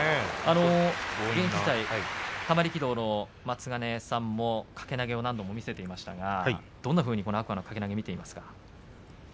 現役時代、玉力道の松ヶ根さんも掛け投げを何度も見せていましたが、どんなふうに天空海の掛け投げを見ていますか。